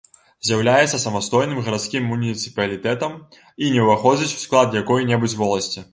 З'яўляецца самастойным гарадскім муніцыпалітэтам і не ўваходзіць у склад якой-небудзь воласці.